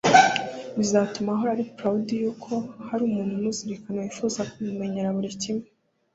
Bizatuma ahora ari proud y’uko hari umuntu umuzirikana wifuza kumumenyera buri kimwe